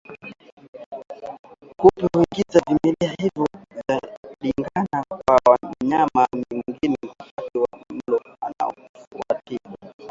Kupe huingiza vimelea hivyo vya Ndigana kwa mnyama mwingine wakati wa mlo unaofuatia